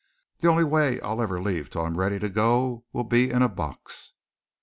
"The only way I'll ever leave till I'm ready to go'll be in a box!"